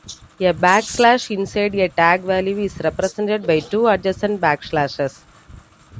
A backslash inside a tag value is represented by two adjacent backslashes.